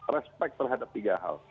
respect terhadap tiga hal